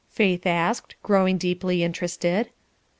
Faith asked, growing deeply interested.